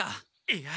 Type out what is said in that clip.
いや。